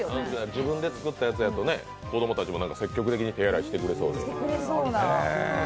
自分で作ったやつだと子供たちも積極的に手洗いしてくれそうで。